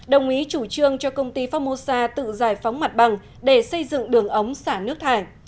đồng ý chủ trương cho công ty phongmosa tự giải phóng mặt bằng để xây dựng đường ống xả nước thải